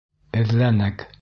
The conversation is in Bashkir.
Эҙләнек.